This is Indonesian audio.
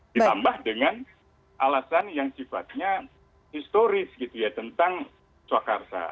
ditambah dengan alasan yang sifatnya historis gitu ya tentang swakarsa